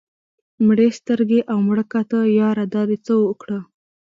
مړې سترګې او مړه کاته ياره دا دې څه اوکړه